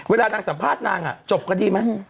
เวลานางสัมภาษณ์นางอ่ะจบก็ดีมั้ย